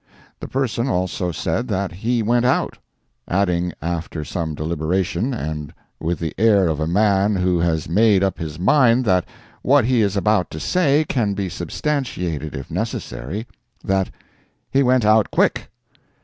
The person also said that he went out—adding after some deliberation, and with the air of a man who has made up his mind that what he is about to say can be substantiated if necessary, that "he went out quick."